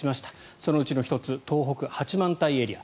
そのうちの１つ東北・八幡平エリア。